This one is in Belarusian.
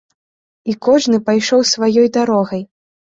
І кожны пайшоў сваёй дарогай.